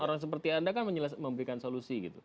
orang seperti anda kan memberikan solusi gitu